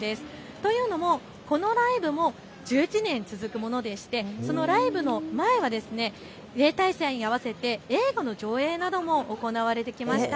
というのもこのライブも１１年続くものでしてそのライブの前は例大祭に合わせて映画の上映会なども行われてきました。